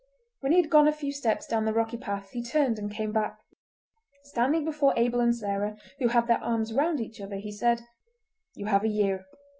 When he had gone a few steps down the rocky path he turned and came back. Standing before Abel and Sarah, who had their arms round each other, he said: "You have a year.